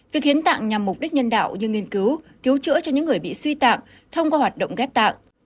việc hiến tạng nhằm mục đích nhân đạo như nghiên cứu cứu chữa cho những người bị suy tạng thông qua hoạt động ghép tạng